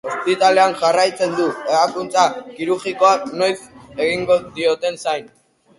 Ospitalean jarraitzen du, ebakuntza kirurgikoa noiz egingo dioten zain.